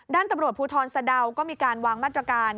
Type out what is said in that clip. ด้านตำรวจภูทรสะดาวก็มีการวางมาตรการ